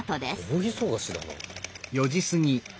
大忙しだな。